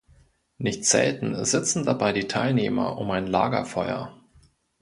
Nicht selten sitzen dabei die Teilnehmer um ein Lagerfeuer.